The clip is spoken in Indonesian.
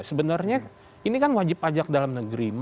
sebenarnya ini kan wajib pajak dalam negeri